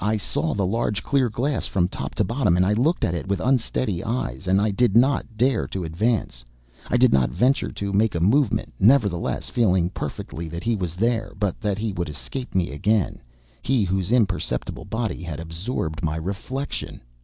I saw the large, clear glass from top to bottom, and I looked at it with unsteady eyes; and I did not dare to advance; I did not venture to make a movement, nevertheless, feeling perfectly that he was there, but that he would escape me again, he whose imperceptible body had absorbed my reflection.